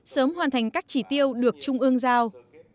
sớm hoàn thành các chỉ tiêu được trung ương giao